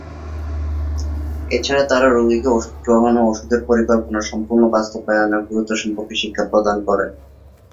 এছাড়া তাঁরা রোগীকে ঔষধ গ্রহণ ও ঔষধের পরিকল্পনা সম্পূর্ণ বাস্তবায়নের গুরুত্ব সম্পর্কে শিক্ষা প্রদান করেন।